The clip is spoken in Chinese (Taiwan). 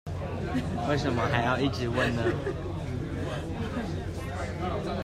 為什麼還要一直問呢？